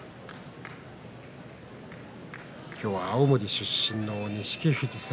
今日は青森出身の錦富士戦。